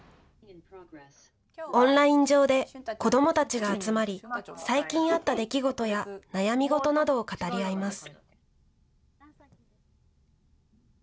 オンライン上で子どもたちが集まり、最近あった出来事や悩み事などを語り合います。